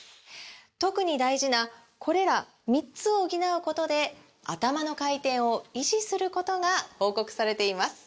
特に大事なこれら３つを補うことでアタマの回転を維持することが報告されています